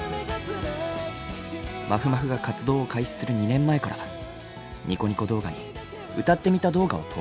まふまふが活動を開始する２年前からニコニコ動画に歌ってみた動画を投稿。